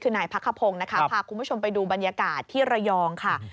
คือนายพักขพงศ์นะคะพาคุณผู้ชมไปดูบรรยากาศที่ระยองค่ะ